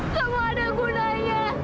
semua ada gunanya